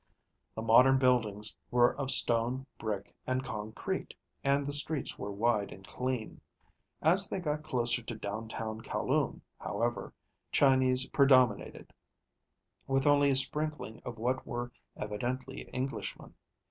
The modern buildings were of stone, brick, and concrete, and the streets were wide and clean. As they got closer to downtown Kowloon, however, Chinese predominated, with only a sprinkling of what were evidently Englishmen.